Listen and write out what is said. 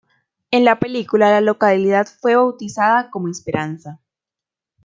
En la película la localidad fue bautizada como Esperanza.